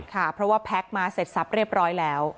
ค่ะเพราะว่าแพ็คมาเสร็จทรัพย์เรียบร้อยแล้ว